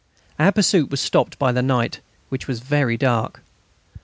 Our pursuit was stopped by the night, which was very dark.